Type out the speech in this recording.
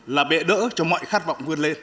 là bệ đỡ cho mọi khát vọng vươn lên